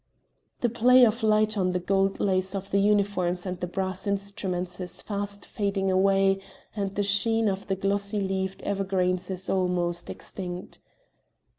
The play of light on the gold lace of the uniforms and the brass instruments is fast fading away and the sheen of the glossy leaved evergreens is almost extinct.